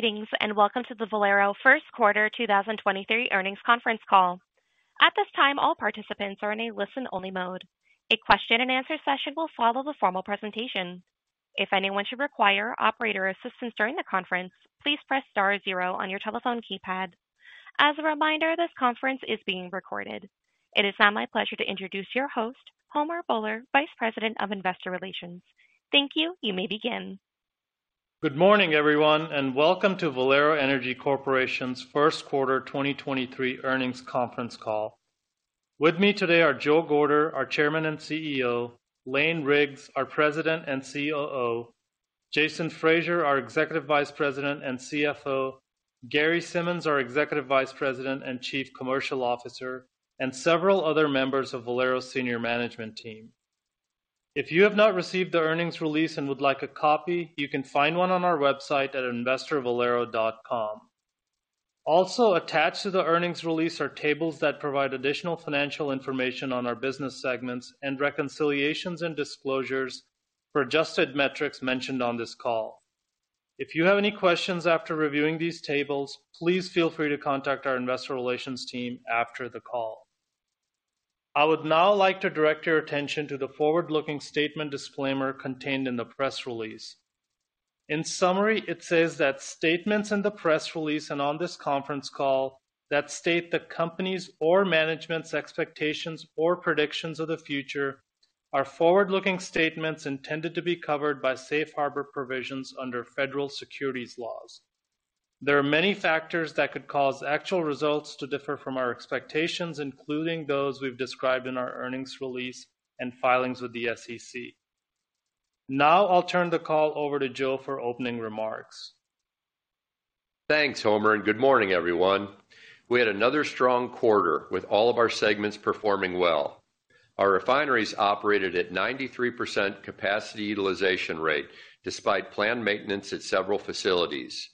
Greetings, and welcome to the Valero first quarter 2023 earnings conference call. At this time, all participants are in a listen-only mode. A question and answer session will follow the formal presentation. If anyone should require operator assistance during the conference, please press star zero on your telephone keypad. As a reminder, this conference is being recorded. It is now my pleasure to introduce your host, Homer Bhullar, Vice President of Investor Relations. Thank you. You may begin. Good morning, everyone, and welcome to Valero Energy Corporation's first quarter 2023 earnings conference call. With me today are Joe Gorder, our Chairman and CEO; Lane Riggs, our President and COO; Jason Fraser, our Executive Vice President and CFO; Gary Simmons, our Executive Vice President and Chief Commercial Officer, and several other members of Valero senior management team. If you have not received the earnings release and would like a copy, you can find one on our website at investorvalero.com. Also attached to the earnings release are tables that provide additional financial information on our business segments and reconciliations and disclosures for adjusted metrics mentioned on this call. If you have any questions after reviewing these tables, please feel free to contact our investor relations team after the call. I would now like to direct your attention to the forward-looking statement disclaimer contained in the press release. In summary, it says that statements in the press release and on this conference call that state the companies' or management's expectations or predictions of the future are forward-looking statements intended to be covered by safe harbor provisions under federal securities laws. There are many factors that could cause actual results to differ from our expectations, including those we've described in our earnings release and filings with the SEC. Now I'll turn the call over to Joe for opening remarks. Thanks, Homer, and good morning, everyone. We had another strong quarter with all of our segments performing well. Our refineries operated at 93% capacity utilization rate despite planned maintenance at several facilities.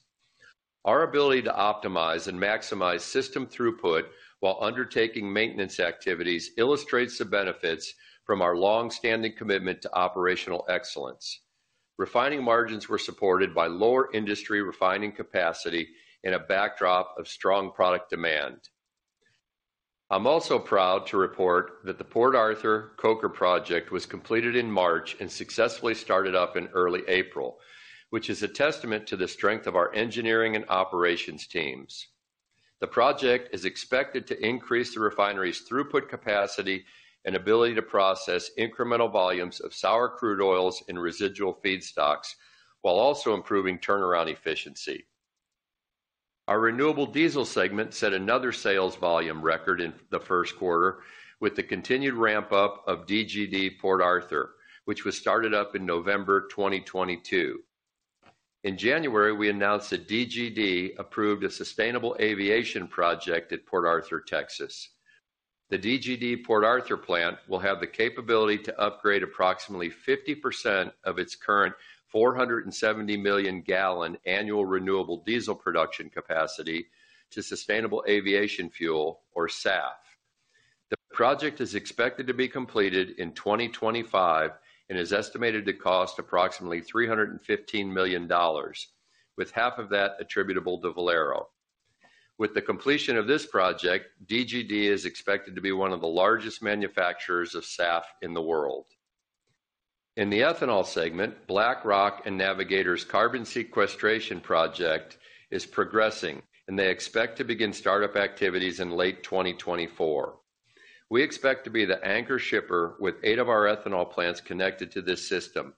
Our ability to optimize and maximize system throughput while undertaking maintenance activities illustrates the benefits from our long-standing commitment to operational excellence. Refining margins were supported by lower industry refining capacity in a backdrop of strong product demand. I'm also proud to report that the Port Arthur Coker project was completed in March and successfully started up in early April, which is a testament to the strength of our engineering and operations teams. The project is expected to increase the refinery's throughput capacity and ability to process incremental volumes of sour crude oils and residual feedstocks while also improving turnaround efficiency. Our renewable diesel segment set another sales volume record in the first quarter with the continued ramp-up of DGD Port Arthur, which was started up in November 2022. In January, we announced that DGD approved a sustainable aviation project at Port Arthur, Texas. The DGD Port Arthur plant will have the capability to upgrade approximately 50% of its current 470 million gallon annual renewable diesel production capacity to sustainable aviation fuel or SAF. The project is expected to be completed in 2025 and is estimated to cost approximately $315 million, with half of that attributable to Valero. With the completion of this project, DGD is expected to be one of the largest manufacturers of SAF in the world. In the ethanol segment, BlackRock and Navigator's carbon sequestration project is progressing. They expect to begin startup activities in late 2024. We expect to be the anchor shipper with eight of our ethanol plants connected to this system,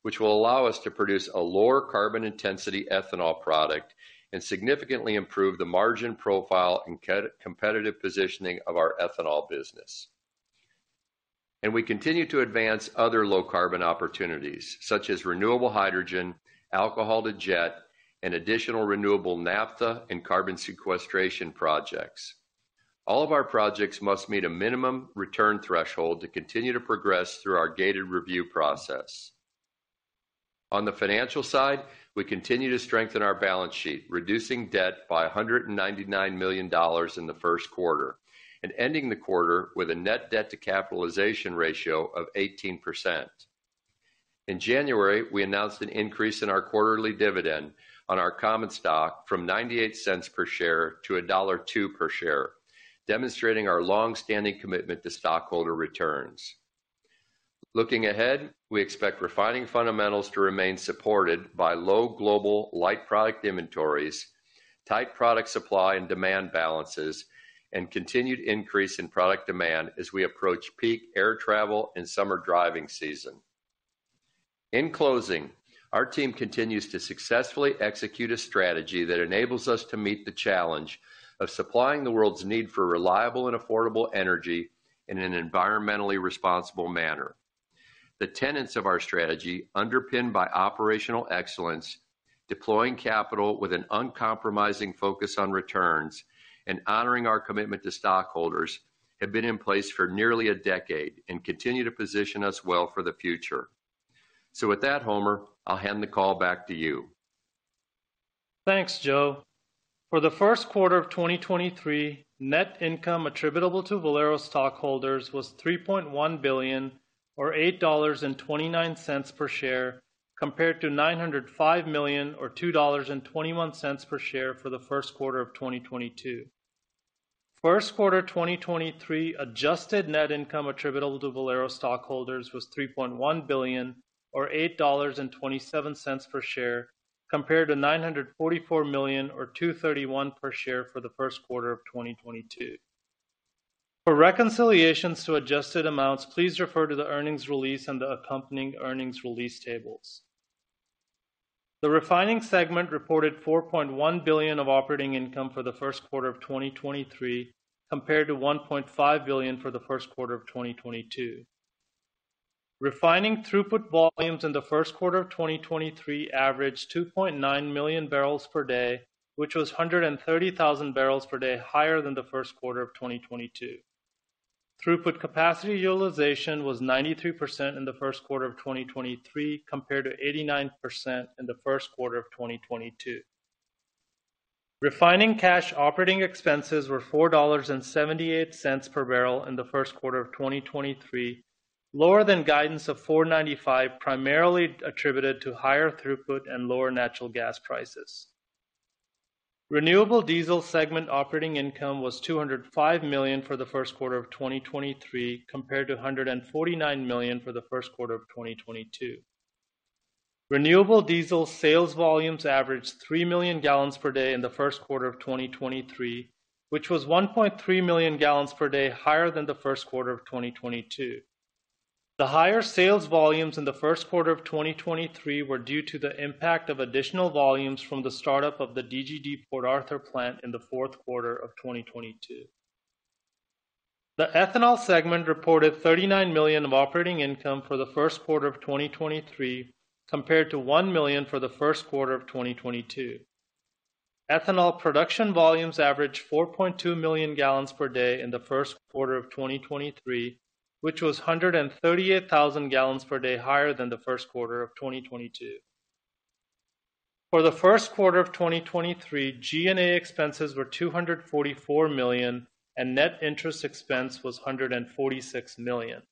which will allow us to produce a lower carbon intensity ethanol product and significantly improve the margin profile and competitive positioning of our ethanol business. We continue to advance other low carbon opportunities, such as renewable hydrogen, alcohol to jet, and additional renewable naphtha and carbon sequestration projects. All of our projects must meet a minimum return threshold to continue to progress through our gated review process. On the financial side, we continue to strengthen our balance sheet, reducing debt by $199 million in the first quarter and ending the quarter with a net debt to capitalization ratio of 18%. In January, we announced an increase in our quarterly dividend on our common stock from $0.98 per share to $1.02 per share, demonstrating our long-standing commitment to stockholder returns. Looking ahead, we expect refining fundamentals to remain supported by low global light product inventories, tight product supply and demand balances, and continued increase in product demand as we approach peak air travel and summer driving season. In closing, our team continues to successfully execute a strategy that enables us to meet the challenge of supplying the world's need for reliable and affordable energy in an environmentally responsible manner. The tenets of our strategy, underpinned by operational excellence, deploying capital with an uncompromising focus on returns, and honoring our commitment to stockholders, have been in place for nearly a decade and continue to position us well for the future. With that, Homer, I'll hand the call back to you. Thanks, Joe. For the first quarter of 2023, net income attributable to Valero stockholders was $3.1 billion, or $8.29 per share, compared to $905 million or $2.21 per share for the first quarter of 2022. First quarter 2023 adjusted net income attributable to Valero stockholders was $3.1 billion or $8.27 per share, compared to $944 million or $2.31 per share for the first quarter of 2022. For reconciliations to adjusted amounts, please refer to the earnings release and the accompanying earnings release tables. The refining segment reported $4.1 billion of operating income for the first quarter of 2023, compared to $1.5 billion for the first quarter of 2022. Refining throughput volumes in the first quarter of 2023 averaged 2.9 million barrels per day, which was 130,000 barrels per day higher than the first quarter of 2022. Throughput capacity utilization was 93% in the first quarter of 2023, compared to 89% in the first quarter of 2022. Refining cash operating expenses were $4.78 per barrel in the first quarter of 2023, lower than guidance of $4.95, primarily attributed to higher throughput and lower natural gas prices. Renewable diesel segment operating income was $205 million for the first quarter of 2023, compared to $149 million for the first quarter of 2022. Renewable diesel sales volumes averaged 3 million gallons per day in the first quarter of 2023, which was 1.3 million gallons per day higher than the first quarter of 2022. The higher sales volumes in the first quarter of 2023 were due to the impact of additional volumes from the start-up of the DGD Port Arthur plant in the fourth quarter of 2022. The ethanol segment reported $39 million of operating income for the first quarter of 2023, compared to $1 million for the first quarter of 2022. Ethanol production volumes averaged 4.2 million gallons per day in the first quarter of 2023, which was 138,000 gallons per day higher than the first quarter of 2022. For the first quarter of 2023, G&A expenses were $244 million, and net interest expense was $146 million.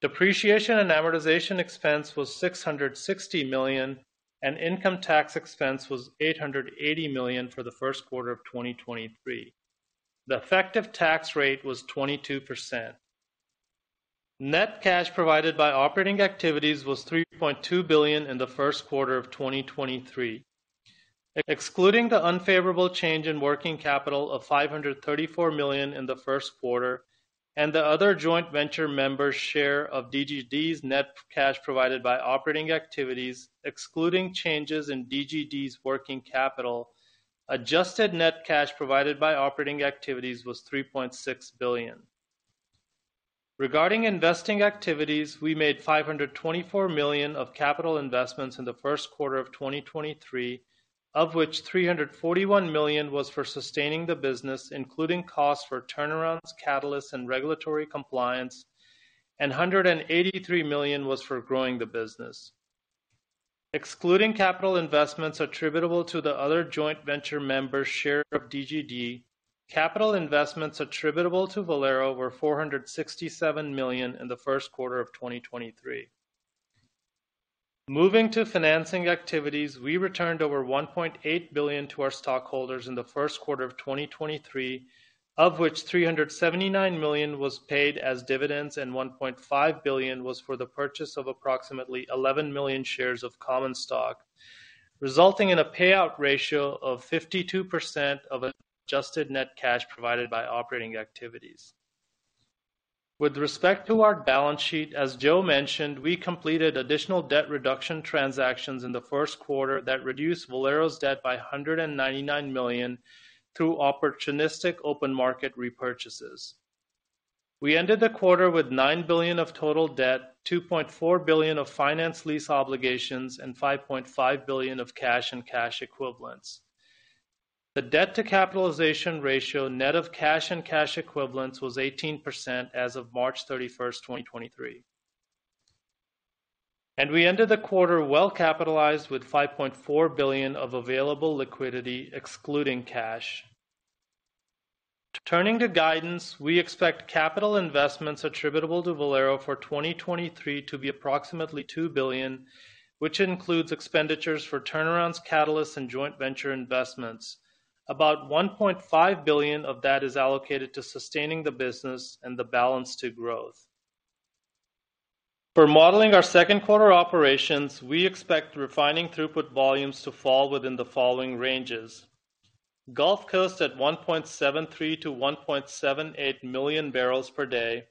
Depreciation and amortization expense was $660 million, and income tax expense was $880 million for the first quarter of 2023. The effective tax rate was 22%. Net cash provided by operating activities was $3.2 billion in the first quarter of 2023. Excluding the unfavorable change in working capital of $534 million in the first quarter and the other joint venture members' share of DGD's net cash provided by operating activities, excluding changes in DGD's working capital, adjusted net cash provided by operating activities was $3.6 billion. Regarding investing activities, we made $524 million of capital investments in the first quarter of 2023, of which $341 million was for sustaining the business, including costs for turnarounds, catalysts, and regulatory compliance, and $183 million was for growing the business. Excluding capital investments attributable to the other joint venture members' share of DGD, capital investments attributable to Valero were $467 million in the first quarter of 2023. Moving to financing activities, we returned over $1.8 billion to our stockholders in the first quarter of 2023, of which $379 million was paid as dividends and $1.5 billion was for the purchase of approximately 11 million shares of common stock, resulting in a payout ratio of 52% of adjusted net cash provided by operating activities. With respect to our balance sheet, as Joe mentioned, we completed additional debt reduction transactions in the first quarter that reduced Valero's debt by $199 million through opportunistic open market repurchases. We ended the quarter with $9 billion of total debt, $2.4 billion of finance lease obligations, and $5.5 billion of cash and cash equivalents. The debt-to-capitalization ratio net of cash and cash equivalents was 18% as of March 31st, 2023. We ended the quarter well-capitalized with $5.4 billion of available liquidity excluding cash. Turning to guidance, we expect capital investments attributable to Valero for 2023 to be approximately $2 billion, which includes expenditures for turnarounds, catalysts, and joint venture investments. About $1.5 billion of that is allocated to sustaining the business and the balance to growth. For modeling our second quarter operations, we expect refining throughput volumes to fall within the following ranges: Gulf Coast at 1.73-1.78 million barrels per day,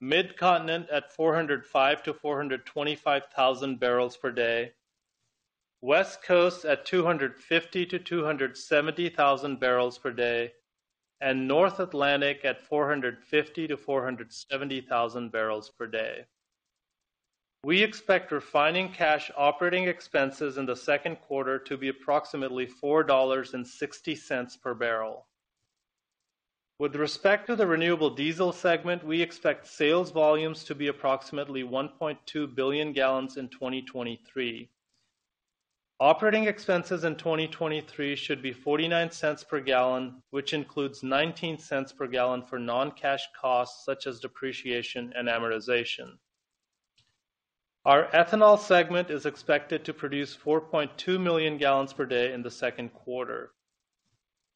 Midcontinent at 405,000-425,000 barrels per day, West Coast at 250,000 barrels-270,000 barrels per day, and North Atlantic at 450,000 barrels-470,000 barrels per day. We expect refining cash operating expenses in the second quarter to be approximately $4.60 per barrel. With respect to the renewable diesel segment, we expect sales volumes to be approximately 1.2 billion gallons in 2023. Operating expenses in 2023 should be $0.49 per gallon, which includes $0.19 per gallon for non-cash costs such as depreciation and amortization. Our ethanol segment is expected to produce 4.2 million gallons per day in the second quarter.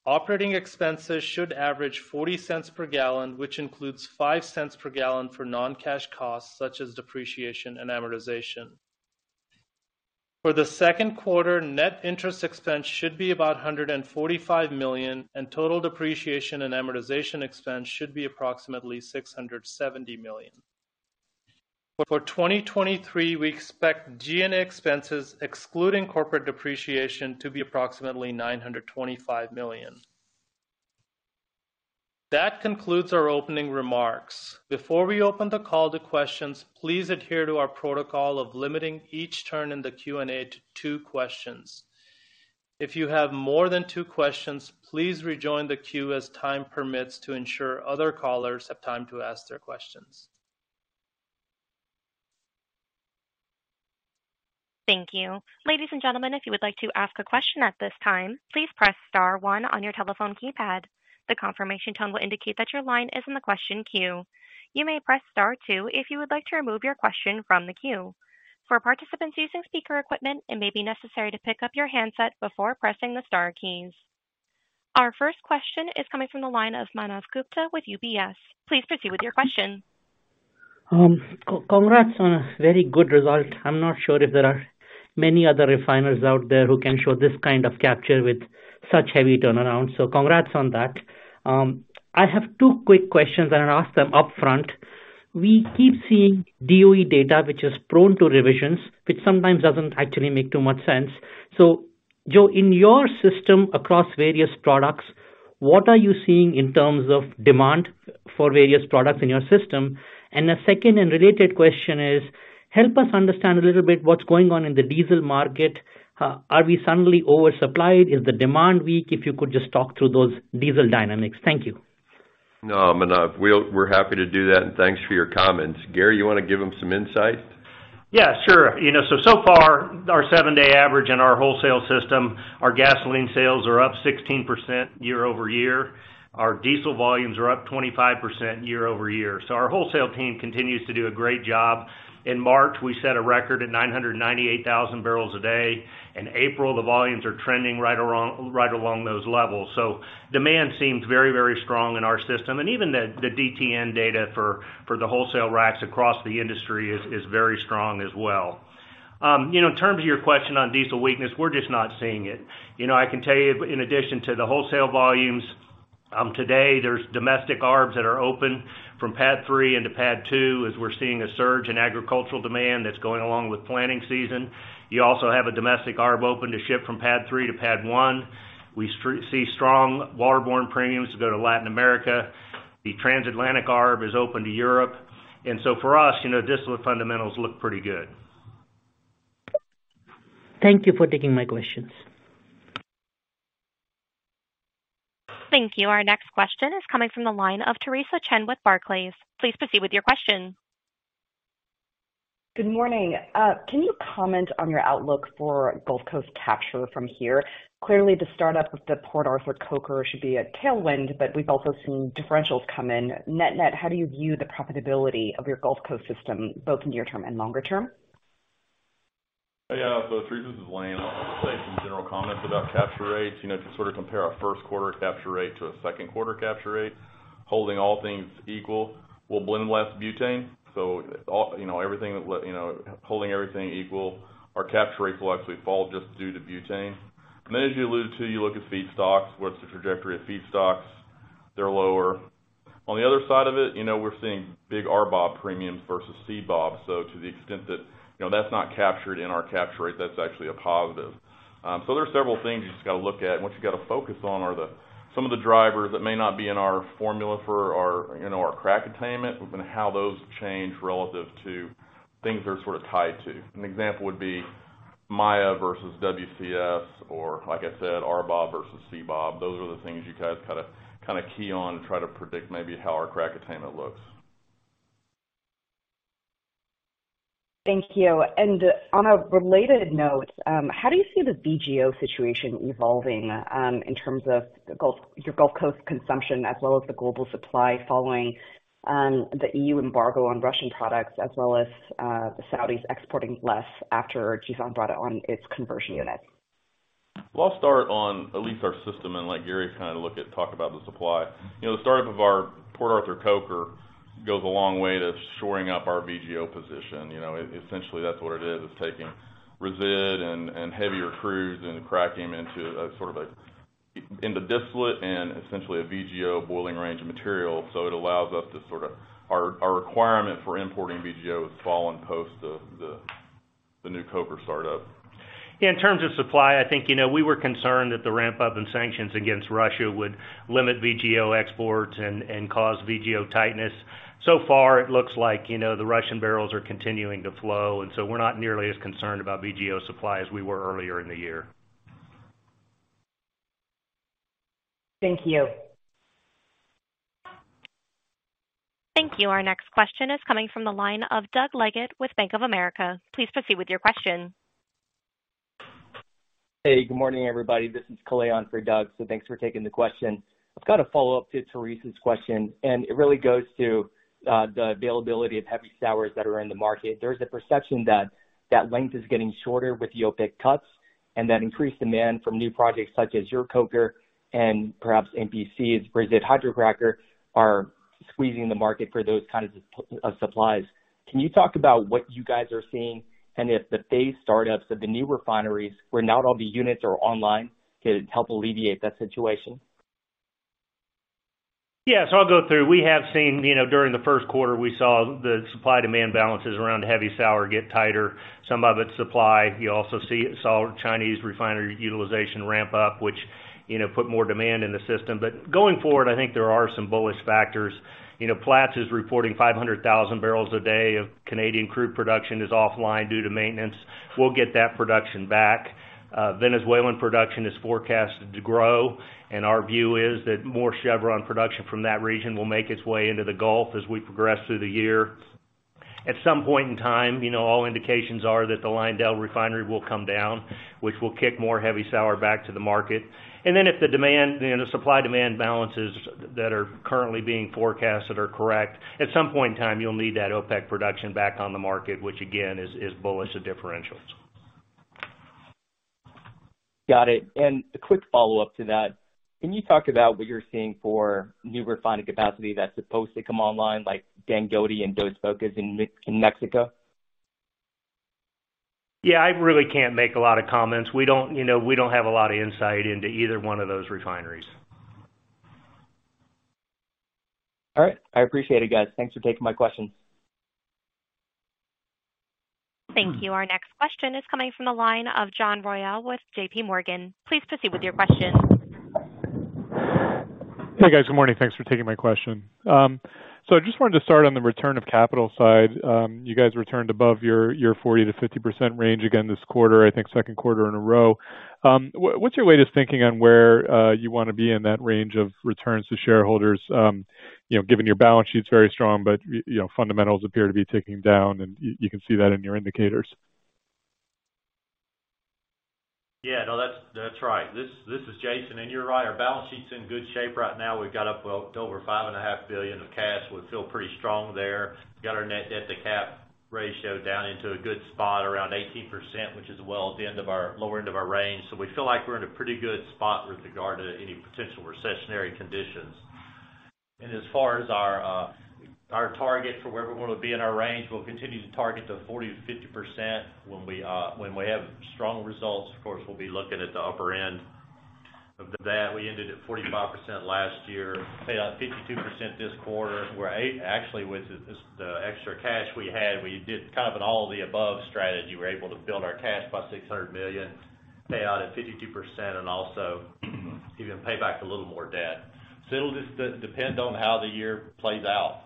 Operating expenses should average $0.40 per gallon, which includes $0.05 per gallon for non-cash costs such as depreciation and amortization. For the second quarter, net interest expense should be about $145 million, and total depreciation and amortization expense should be approximately $670 million. For 2023, we expect G&A expenses excluding corporate depreciation, to be approximately $925 million. That concludes our opening remarks. Before we open the call to questions, please adhere to our protocol of limiting each turn in the Q&A to two questions. If you have more than two questions, please rejoin the queue as time permits to ensure other callers have time to ask their questions. Thank you. Ladies and gentlemen, if you would like to ask a question at this time, please press star one on your telephone keypad. The confirmation tone will indicate that your line is in the question queue. You may press star two if you would like to remove your question from the queue. For participants using speaker equipment, it may be necessary to pick up your handset before pressing the star keys. Our first question is coming from the line of Manav Gupta with UBS. Please proceed with your question. Congrats on a very good result. I'm not sure if there are many other refiners out there who can show this kind of capture with such heavy turnaround, so congrats on that. I have two quick questions, and I'll ask them upfront. We keep seeing DOE data, which is prone to revisions, which sometimes doesn't actually make too much sense. Joe, in your system across various products, what are you seeing in terms of demand for various products in your system? The second and related question is, help us understand a little bit what's going on in the diesel market. Are we suddenly oversupplied? Is the demand weak? If you could just talk through those diesel dynamics. Thank you. No, Manav. We're happy to do that. Thanks for your comments. Gary, you wanna give him some insight? Sure. You know, so far, our seven-day average in our wholesale system, our gasoline sales are up 16% year-over-year. Our diesel volumes are up 25% year-over-year. Our wholesale team continues to do a great job. In March, we set a record at 998,000 barrels a day. In April, the volumes are trending right around, right along those levels. Demand seems very strong in our system. Even the DTN data for the wholesale racks across the industry is very strong as well. You know, in terms of your question on diesel weakness, we're just not seeing it. You know, I can tell you in addition to the wholesale volumes, today, there's domestic ARBs that are open from Pad 3 into Pad 2, as we're seeing a surge in agricultural demand that's going along with planting season. You also have a domestic ARB open to ship from Pad 3 to Pad 1. We see strong waterborne premiums to go to Latin America. The Transatlantic ARB is open to Europe. For us, you know, these fundamentals look pretty good. Thank you for taking my questions. Thank you. Our next question is coming from the line of Theresa Chen with Barclays. Please proceed with your question. Good morning. Can you comment on your outlook for Gulf Coast capture from here? Clearly, the startup of the Port Arthur coker should be a tailwind. We've also seen differentials come in. Net-net, how do you view the profitability of your Gulf Coast system, both near term and longer term? Theresa, this is Lane. I'll say some general comments about capture rates. You know, to sort of compare our first quarter capture rate to a second quarter capture rate. Holding all things equal, we'll blend less butane. You know, everything, you know, holding everything equal, our capture rates will actually fall just due to butane. As you alluded to, you look at feedstocks. What's the trajectory of feedstocks? They're lower. On the other side of it, you know, we're seeing big RBOB premiums versus CBOB. To the extent that, you know, that's not captured in our capture rate, that's actually a positive. There are several things you just gotta look at. What you gotta focus on are the, some of the drivers that may not be in our formula for our, you know, our crack attainment and how those change relative to things they're sort of tied to. An example would be Maya versus WCS or like I said, RBOB versus CBOB. Those are the things you guys kind of key on and try to predict maybe how our crack attainment looks. Thank you. On a related note, how do you see the VGO situation evolving, in terms of your Gulf Coast consumption as well as the global supply following the EU embargo on Russian products as well as the Saudis exporting less after Jazan brought on its conversion unit? I'll start on at least our system and let Gary kind of look at and talk about the supply. You know, the startup of our Port Arthur coker goes a long way to shoring up our VGO position. You know, essentially, that's what it is. It's taking resid and heavier crudes and cracking into a sort of into distillate and essentially a VGO boiling range of material. It allows us to. Our requirement for importing VGO has fallen post the new coker startup. Yeah. In terms of supply, I think, you know, we were concerned that the ramp-up in sanctions against Russia would limit VGO exports and cause VGO tightness. Far, it looks like, you know, the Russian barrels are continuing to flow, and so we're not nearly as concerned about VGO supply as we were earlier in the year. Thank you. Thank you. Our next question is coming from the line of Doug Leggate with Bank of America. Please proceed with your question. Hey, good morning, everybody. This is Kalei for Doug. Thanks for taking the question. I've got a follow-up to Theresa's question, and it really goes to the availability of heavy sours that are in the market. There's a perception that that length is getting shorter with the OPEC cuts and that increased demand from new projects such as your coker and perhaps MPC's resid hydrocracker are squeezing the market for those kinds of supplies. Can you talk about what you guys are seeing and if the phase startups of the new refineries where not all the units are online could help alleviate that situation? I'll go through. We have seen, you know, during the first quarter, we saw the supply demand balances around heavy sour get tighter. Some of it's supply. You also saw Chinese refinery utilization ramp up, which, you know, put more demand in the system. Going forward, I think there are some bullish factors. You know, Platts is reporting 500,000 barrels a day of Canadian crude production is offline due to maintenance. We'll get that production back. Venezuelan production is forecasted to grow, and our view is that more Chevron production from that region will make its way into the Gulf as we progress through the year. At some point in time, you know, all indications are that the LyondellBasell refinery will come down, which will kick more heavy sour back to the market. Then if the demand, you know, the supply demand balances that are currently being forecasted are correct, at some point in time you'll need that OPEC production back on the market, which again is bullish to differentials. Got it. A quick follow-up to that. Can you talk about what you're seeing for new refining capacity that's supposed to come online like Dangote and Dos Bocas in Mexico? Yeah. I really can't make a lot of comments. We don't, you know, we don't have a lot of insight into either one of those refineries. All right. I appreciate it, guys. Thanks for taking my questions. Thank you. Our next question is coming from the line of John Royall with JPMorgan. Please proceed with your question. Hey, guys. Good morning. Thanks for taking my question. I just wanted to start on the return of capital side. You guys returned above your 40%-50% range again this quarter, I think second quarter in a row. What's your way to thinking on where you wanna be in that range of returns to shareholders, you know, given your balance sheet's very strong, but you know, fundamentals appear to be ticking down, and you can see that in your indicators. Yeah. No, that's right. This, this is Jason. You're right, our balance sheet's in good shape right now. We've got over $5.5 billion of cash. We feel pretty strong there. Got our net debt to cap ratio down into a good spot around 18%, which is well at the lower end of our range. We feel like we're in a pretty good spot with regard to any potential recessionary conditions. As far as our target for where we wanna be in our range, we'll continue to target the 40%-50%. When we have strong results, of course, we'll be looking at the upper end of that. We ended at 45% last year, paid out 52% this quarter, actually with the extra cash we had, we did kind of an all of the above strategy. We're able to build our cash by $600 million, pay out at 52% and also even pay back a little more debt. It'll just depend on how the year plays out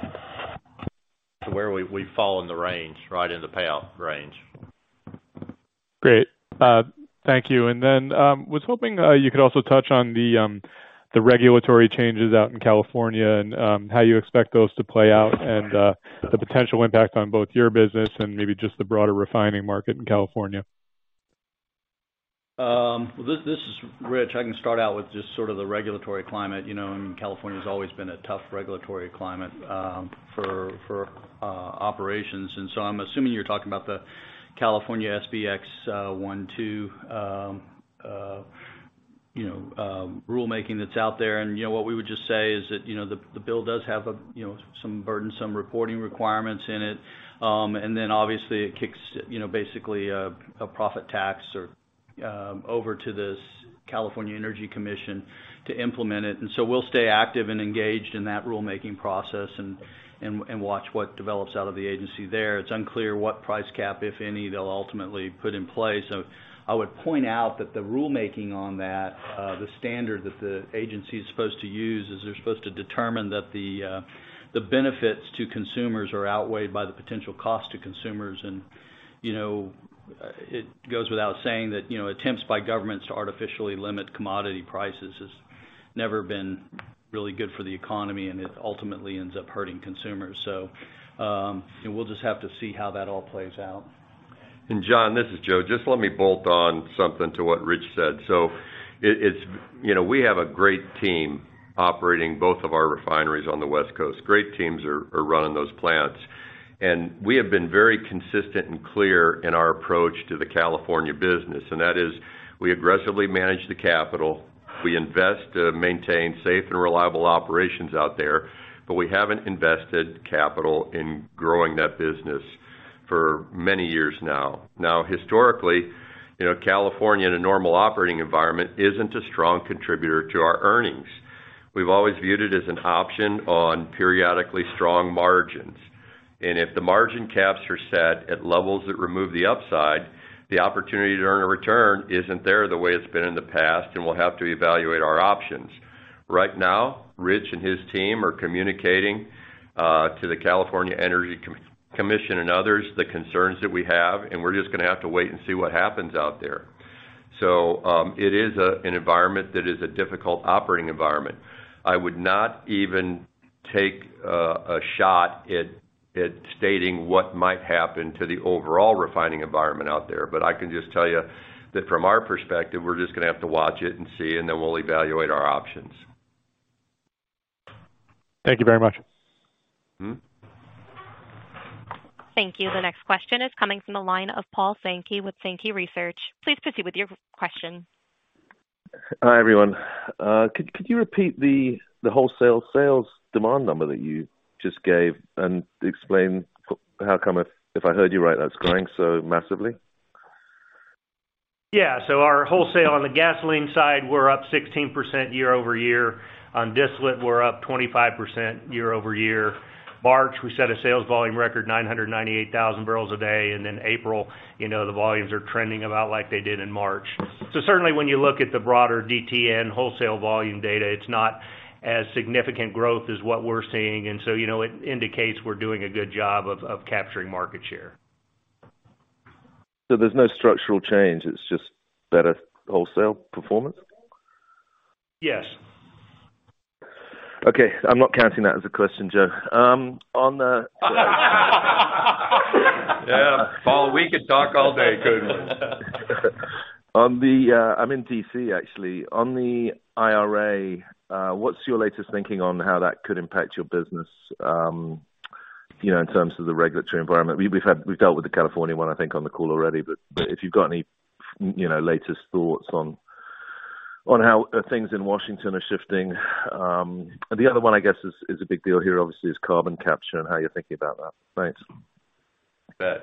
to where we fall in the range, right in the payout range. Great. Thank you. Was hoping you could also touch on the regulatory changes out in California and how you expect those to play out and the potential impact on both your business and maybe just the broader refining market in California? This is Rich. I can start out with just sort of the regulatory climate. You know, I mean, California's always been a tough regulatory climate for operations. I'm assuming you're talking about the California SB X1-2, you know, rulemaking that's out there. You know, what we would just say is that the bill does have some burdensome reporting requirements in it. Then obviously it kicks, you know, basically a profit tax or over to this California Energy Commission to implement it. We'll stay active and engaged in that rulemaking process and watch what develops out of the agency there. It's unclear what price cap, if any, they'll ultimately put in place. I would point out that the rulemaking on that, the standard that the agency is supposed to use, is they're supposed to determine that the benefits to consumers are outweighed by the potential cost to consumers. You know, it goes without saying that, you know, attempts by governments to artificially limit commodity prices has never been really good for the economy, and it ultimately ends up hurting consumers. We'll just have to see how that all plays out. John, this is Joe. Just let me bolt on something to what Rich said. It's, you know, we have a great team operating both of our refineries on the West Coast. Great teams are running those plants. We have been very consistent and clear in our approach to the California business, and that is we aggressively manage the capital. We invest to maintain safe and reliable operations out there, but we haven't invested capital in growing that business for many years now. Historically, you know, California in a normal operating environment isn't a strong contributor to our earnings. We've always viewed it as an option on periodically strong margins. If the margin caps are set at levels that remove the upside, the opportunity to earn a return isn't there the way it's been in the past, and we'll have to evaluate our options. Right now, Rich and his team are communicating to the California Energy Commission and others the concerns that we have, and we're just gonna have to wait and see what happens out there. It is a, an environment that is a difficult operating environment. I would not even take a shot at stating what might happen to the overall refining environment out there. I can just tell you that from our perspective, we're just gonna have to watch it and see, and then we'll evaluate our options. Thank you very much. Mm-hmm. Thank you. The next question is coming from the line of Paul Sankey with Sankey Research. Please proceed with your question. Hi, everyone. Could you repeat the wholesale sales demand number that you just gave and explain how come, if I heard you right, that's growing so massively? Yeah. Our wholesale on the gasoline side, we're up 16% year-over-year. On distillate, we're up 25% year-over-year. March, we set a sales volume record 998,000 barrels a day. April, you know, the volumes are trending about like they did in March. Certainly when you look at the broader DTN wholesale volume data, it's not as significant growth as what we're seeing. You know, it indicates we're doing a good job of capturing market share. There's no structural change, it's just better wholesale performance? Yes. Okay. I'm not counting that as a question, Joe. On the Yeah. Paul, we could talk all day. Go ahead. On the... I'm in D.C., actually. On the IRA, what's your latest thinking on how that could impact your business, you know, in terms of the regulatory environment? We've dealt with the California one, I think, on the call already. If you've got any, you know, latest thoughts on how things in Washington are shifting? The other one, I guess, is a big deal here, obviously, is carbon capture and how you're thinking about that? Thanks. You bet.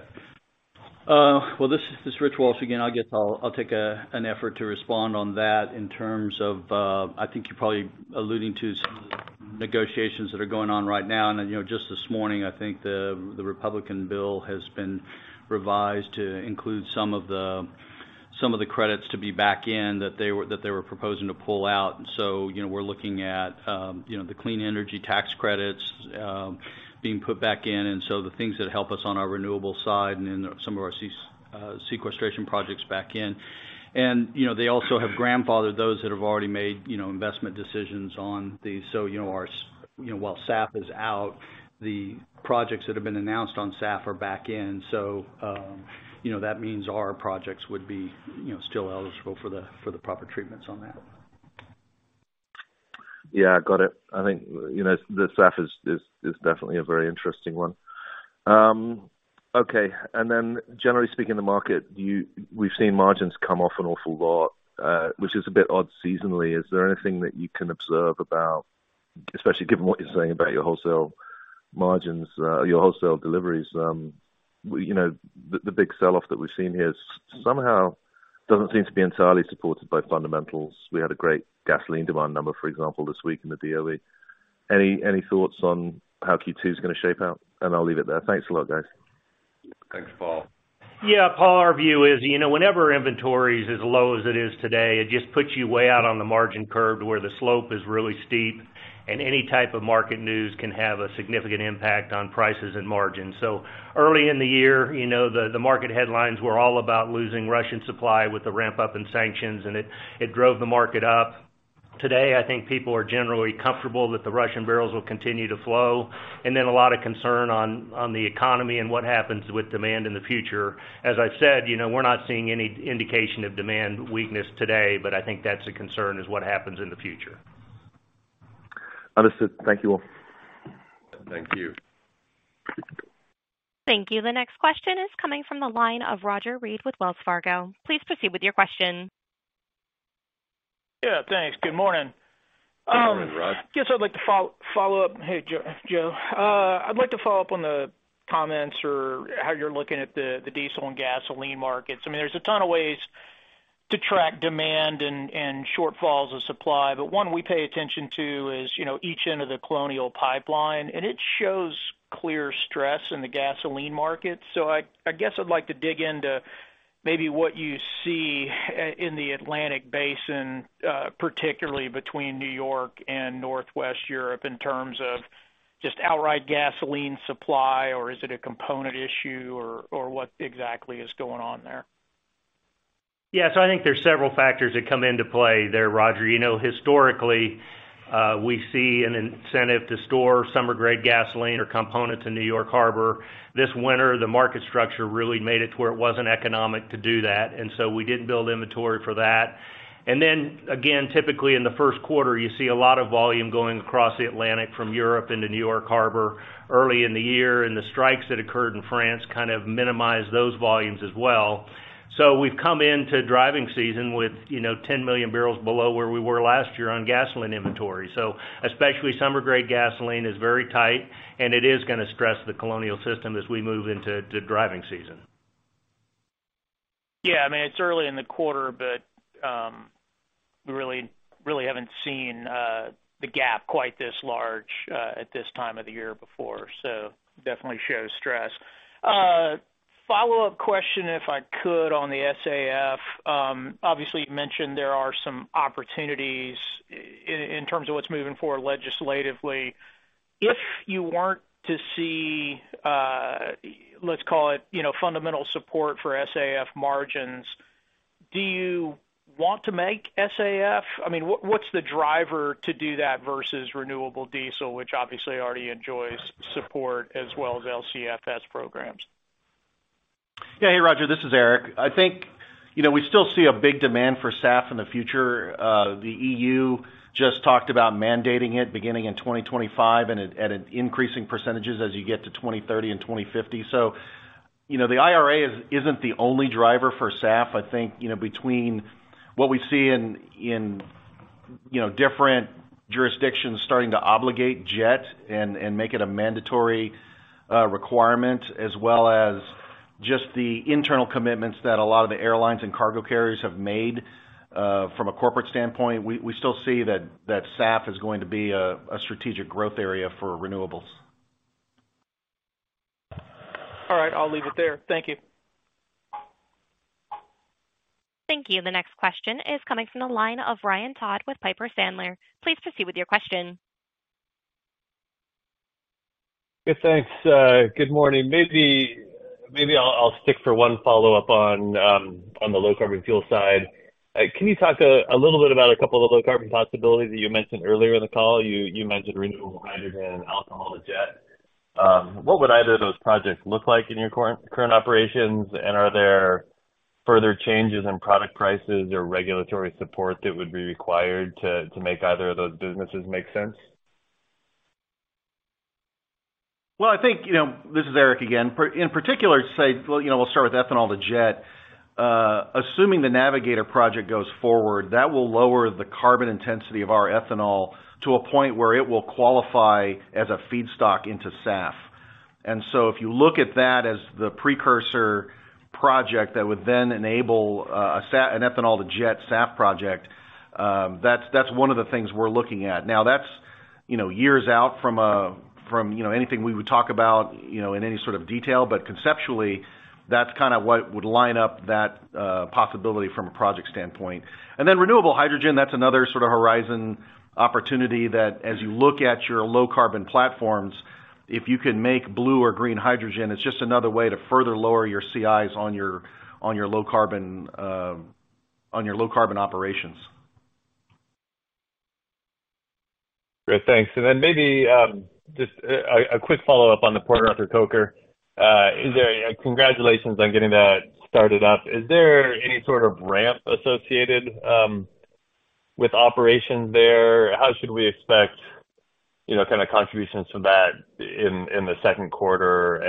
Well, this is Rich Walsh again. I guess I'll take an effort to respond on that in terms of, I think you're probably alluding to some negotiations that are going on right now. You know, just this morning, I think the Republican bill has been revised to include some of the credits to be back in that they were proposing to pull out. You know, we're looking at, you know, the clean energy tax credits being put back in, and so the things that help us on our renewable side and then some of our sequestration projects back in. You know, they also have grandfathered those that have already made, you know, investment decisions on these. You know, our you know, while SAF is out, the projects that have been announced on SAF are back in. You know, that means our projects would be, you know, still eligible for the, for the proper treatments on that. Yeah, got it. I think, you know, the SAF is definitely a very interesting one. Okay. Generally speaking, the market, we've seen margins come off an awful lot, which is a bit odd seasonally. Is there anything that you can observe about, especially given what you're saying about your wholesale margins, your wholesale deliveries, you know, the big sell-off that we've seen here somehow doesn't seem to be entirely supported by fundamentals. We had a great gasoline demand number, for example, this week in the DOE. Any, any thoughts on how Q2 is gonna shape out? I'll leave it there. Thanks a lot, guys. Thanks, Paul. Yeah, Paul, our view is, you know, whenever inventory is as low as it is today, it just puts you way out on the margin curve to where the slope is really steep, and any type of market news can have a significant impact on prices and margins. Early in the year, you know, the market headlines were all about losing Russian supply with the ramp-up in sanctions, and it drove the market up. Today, I think people are generally comfortable that the Russian barrels will continue to flow, and then a lot of concern on the economy and what happens with demand in the future. As I've said, you know, we're not seeing any indication of demand weakness today, but I think that's a concern, is what happens in the future. Understood. Thank you all. Thank you. Thank you. The next question is coming from the line of Roger Read with Wells Fargo. Please proceed with your question. Yeah, thanks. Good morning. Good morning, Roger. Guess I'd like to follow up. Hey, Joe. I'd like to follow up on the comments or how you're looking at the diesel and gasoline markets. I mean, there's a ton of ways to track demand and shortfalls of supply, but one we pay attention to is, you know, each end of the Colonial Pipeline, and it shows clear stress in the gasoline market. I guess I'd like to dig into maybe what you see in the Atlantic Basin, particularly between New York and Northwest Europe in terms of just outright gasoline supply, or is it a component issue or what exactly is going on there? I think there's several factors that come into play there, Roger. You know, historically, we see an incentive to store summer grade gasoline or components in New York Harbor. This winter, the market structure really made it to where it wasn't economic to do that. We didn't build inventory for that. Then again, typically in the first quarter, you see a lot of volume going across the Atlantic from Europe into New York Harbor early in the year, and the strikes that occurred in France kind of minimized those volumes as well. We've come into driving season with, you know, 10 million barrels below where we were last year on gasoline inventory. Especially summer grade gasoline is very tight and it is gonna stress the colonial system as we move into driving season. Yeah. I mean, it's early in the quarter, but, we really haven't seen the gap quite this large at this time of the year before. Definitely shows stress. Follow-up question, if I could, on the SAF. Obviously, you mentioned there are some opportunities in terms of what's moving forward legislatively. If you weren't to see, let's call it, you know, fundamental support for SAF margins, do you want to make SAF? I mean, what's the driver to do that versus renewable diesel, which obviously already enjoys support as well as LCFS programs? Yeah. Hey, Roger Read, this is Eric. I think, you know, we still see a big demand for SAF in the future. The EU just talked about mandating it beginning in 2025 and at an increasing percentages as you get to 2030 and 2050. You know, the IRA isn't the only driver for SAF. I think, you know, between what we see in different jurisdictions starting to obligate jet and make it a mandatory requirement, as well as just the internal commitments that a lot of the airlines and cargo carriers have made, from a corporate standpoint. We still see that SAF is going to be a strategic growth area for renewables. All right, I'll leave it there. Thank you. Thank you. The next question is coming from the line of Ryan Todd with Piper Sandler. Please proceed with your question. Yeah, thanks. Good morning. Maybe I'll stick for one follow-up on the low carbon fuel side. Can you talk a little bit about a couple of the low carbon possibilities that you mentioned earlier in the call? You mentioned renewable hydrogen and alcohol-to-jet. What would either of those projects look like in your current operations? Are there further changes in product prices or regulatory support that would be required to make either of those businesses make sense? Well, I think, you know, This is Eric again. in particular to say, well, you know, we'll start with ethanol to jet. assuming the Navigator project goes forward, that will lower the carbon intensity of our ethanol to a point where it will qualify as a feedstock into SAF. If you look at that as the precursor project, that would then enable an ethanol-to-jet SAF project, that's one of the things we're looking at. That's, you know, years out from, you know, anything we would talk about, you know, in any sort of detail. Conceptually, that's kind of what would line up that possibility from a project standpoint. Renewable hydrogen, that's another sort of horizon opportunity that as you look at your low carbon platforms, if you can make blue or green hydrogen, it's just another way to further lower your CIs on your, on your low carbon, on your low carbon operations. Great. Thanks. Maybe just a quick follow-up on the Port Arthur Coker. Congratulations on getting that started up. Is there any sort of ramp associated with operations there? How should we expect, you know, kind of contributions from that in the second quarter?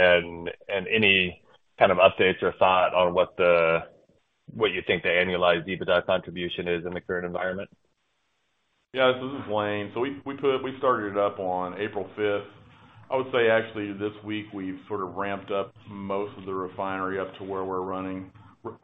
Any kind of updates or thought on what you think the annualized EBITDA contribution is in the current environment? This is Wayne. We started it up on April 5th. I would say actually this week, we've sort of ramped up most of the refinery up to where we're running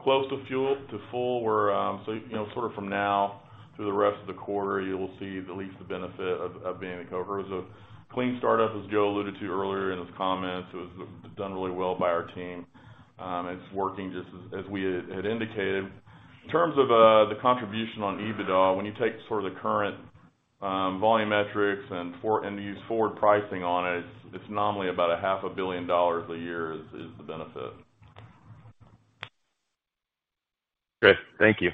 close to fuel to full. We're, you know, sort of from now through the rest of the quarter, you will see at least the benefit of being in Coker. It was a clean startup, as Joe alluded to earlier in his comments. It was done really well by our team. It's working just as we had indicated. In terms of the contribution on EBITDA, when you take sort of the current volume metrics and use forward pricing on it's nominally about a half a billion dollars a year is the benefit. Great. Thank you.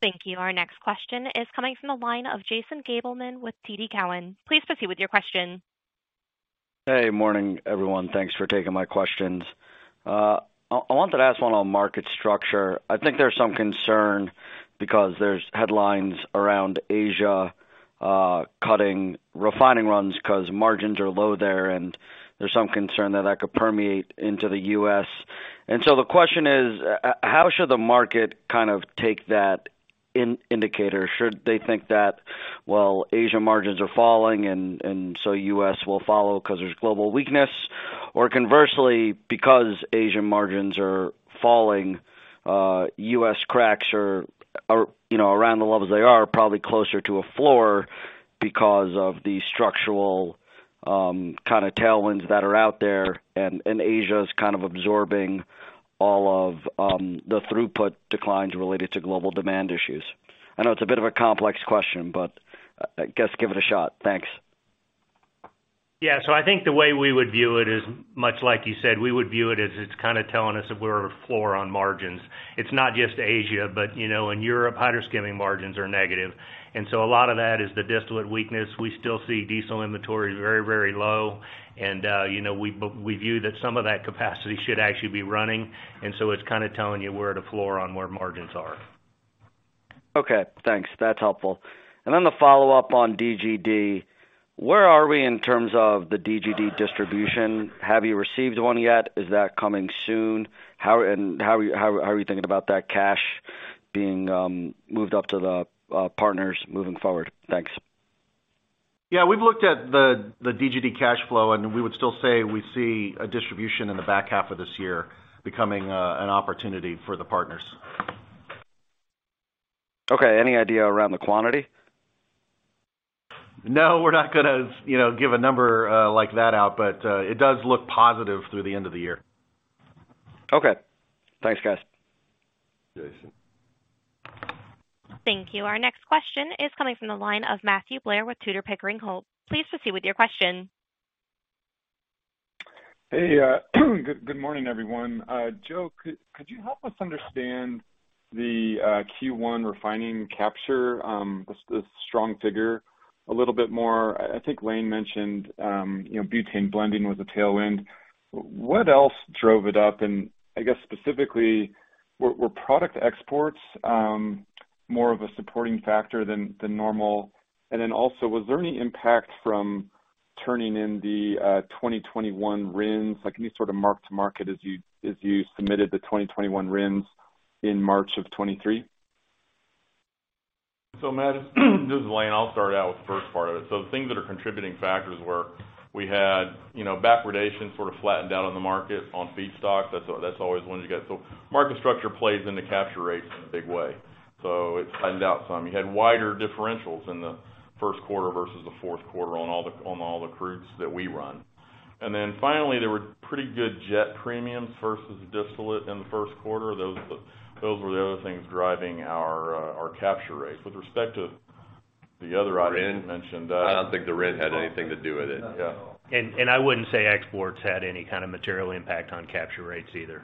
Thank you. Our next question is coming from the line of Jason Gabelman with TD Cowen. Please proceed with your question. Hey, morning everyone. Thanks for taking my questions. I wanted to ask one on market structure. I think there's some concern because there's headlines around Asia, cutting refining runs 'cause margins are low there, and there's some concern that that could permeate into The U.S. The question is, how should the market kind of take that in-indicator? Should they think that, well, Asia margins are falling and so U.S. will follow 'cause there's global weakness? Conversely, because Asian margins are falling, U.S. cracks are, you know, around the levels they are probably closer to a floor because of the structural, kind of tailwinds that are out there and Asia is kind of absorbing all of the throughput declines related to global demand issues. I know it's a bit of a complex question, but I guess give it a shot. Thanks. I think the way we would view it is much like you said, we would view it as it's kind of telling us that we're a floor on margins. It's not just Asia, but you know, in Europe, hydro skimming margins are negative. A lot of that is the distillate weakness. We still see diesel inventory very, very low. You know, but we view that some of that capacity should actually be running. It's kind of telling you we're at a floor on where margins are. Okay, thanks. That's helpful. The follow-up on DGD. Where are we in terms of the DGD distribution? Have you received one yet? Is that coming soon? How are you thinking about that cash being moved up to the partners moving forward? Thanks. We've looked at the DGD cash flow, and we would still say we see a distribution in the back half of this year becoming an opportunity for the partners. Okay. Any idea around the quantity? No, we're not gonna, you know, give a number, like that out. It does look positive through the end of the year. Okay. Thanks guys. Jason. Thank you. Our next question is coming from the line of Matthew Blair with Tudor, Pickering Holt. Please proceed with your question. Hey, good morning, everyone. Joe, could you help us understand the Q1 refining capture, the strong figure a little bit more? I think Lane mentioned, you know, butane blending was a tailwind. What else drove it up? I guess specifically, were product exports, more of a supporting factor than normal? Then also, was there any impact from turning in the 2021 RINs? Like, any sort of mark to market as you submitted the 2021 RINs in March of 2023? Matt, this is Lane. I'll start out with the first part of it. Things that are contributing factors were we had, you know, backwardation sort of flattened out on the market on feedstock. That's always one you got. Market structure plays into capture rates in a big way. It flattened out some. You had wider differentials in the first quarter versus the fourth quarter on all the crudes that we run. Finally, there were pretty good jet premiums versus distillate in the first quarter. Those were the other things driving our capture rates. With respect to the other item you mentioned. I don't think the RIN had anything to do with it. Yeah, no. I wouldn't say exports had any kind of material impact on capture rates either.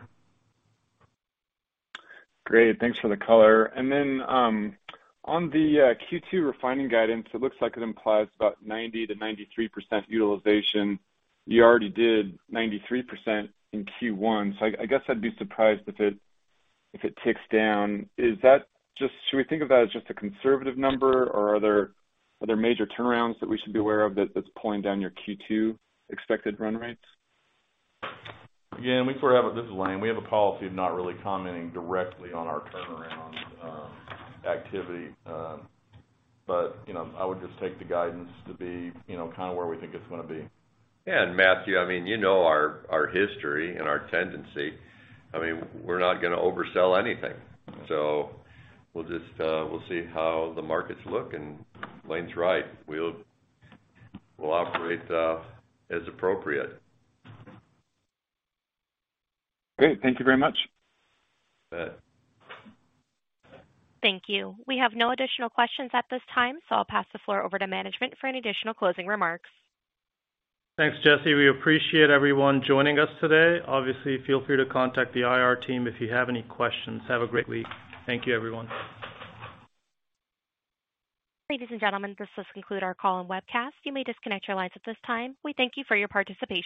Great. Thanks for the color. On the Q2 refining guidance, it looks like it implies about 90%-93% utilization. You already did 93% in Q1, so I guess I'd be surprised if it ticks down. Should we think of that as just a conservative number, or are there other major turnarounds that we should be aware of that's pulling down your Q2 expected run rates? We sort of have a policy of not really commenting directly on our turnaround activity. You know, I would just take the guidance to be, you know, kind of where we think it's gonna be. Yeah, Matthew, I mean, you know our history and our tendency. I mean, we're not gonna oversell anything. We'll just, we'll see how the markets look, and Lane's right. We'll operate as appropriate. Great. Thank you very much. You bet. Thank you. We have no additional questions at this time. I'll pass the floor over to management for any additional closing remarks. Thanks, Jesse. We appreciate everyone joining us today. Obviously, feel free to contact the IR team if you have any questions. Have a great week. Thank you, everyone. Ladies and gentlemen, this does conclude our call and webcast. You may disconnect your lines at this time. We thank you for your participation.